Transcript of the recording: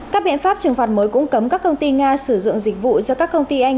các biện pháp trừng phạt mới cũng cấm các công ty nga sử dụng dịch vụ do các công ty anh